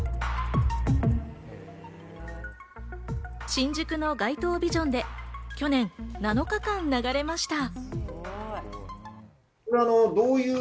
新宿の街頭ビジョンで去年７日間流れました。